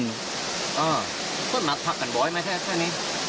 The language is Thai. ต้นสวัสดิ์กลับมาบ่อยไหมครับท่านนี้